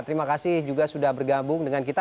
terima kasih juga sudah bergabung dengan kita